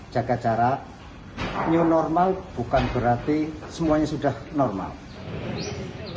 jaga jarak new normal bukan berarti semuanya sudah normal